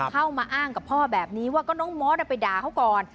เข้ามาอ้างกับพ่อแบบนี้ว่าก็น้องมอสไปด่าเขาก่อน